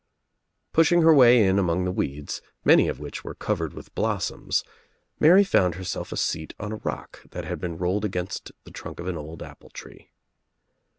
Pushing her way in among the weeds, many of which were covered with blossoms, Mary found herself a seat on a rock that had been rolled against the trunk of an old apple tree.